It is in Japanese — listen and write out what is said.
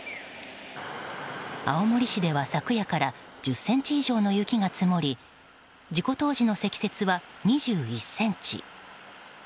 青森市では昨夜から１０ｃｍ以上の雪が積もり事故当時の積雪は、２１ｃｍ。